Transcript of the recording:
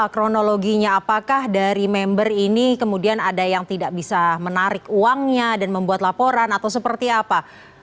kronologinya apakah dari member ini kemudian ada yang tidak bisa menarik uangnya dan membuat laporan atau seperti apa